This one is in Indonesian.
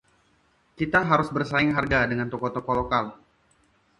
Kita harus bersaing harga dengan toko-toko lokal.